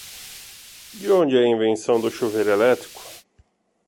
De onde é a invenção do chuveiro elétrico?